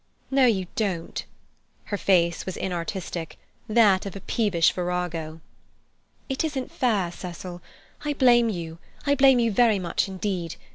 "No, you don't!" Her face was inartistic—that of a peevish virago. "It isn't fair, Cecil. I blame you—I blame you very much indeed.